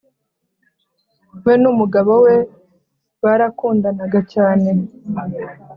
we nu mugabo we barakundanaga cyane